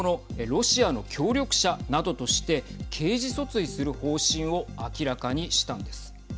ロシアの協力者などとして刑事訴追する方針を明らかにしたんです。